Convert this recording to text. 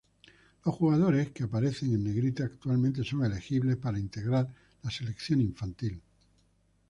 Los jugadores que aparecen en Negrita actualmente son elegibles para integrar la selección infantil.